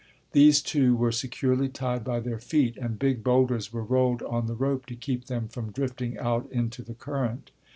These two were securely tied by their feet and big boulders were rolled on the rope to keep them from drifting out into the current.